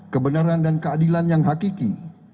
kebenaran dan keadilan yang hakiki